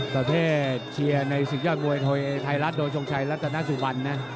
ประเภทเชียร์ในศึกยอดมวยไทยรัฐโดยทรงชัยรัตนสุบันนะ